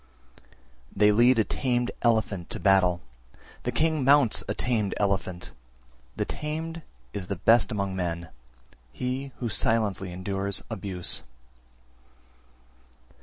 321. They lead a tamed elephant to battle, the king mounts a tamed elephant; the tamed is the best among men, he who silently endures abuse.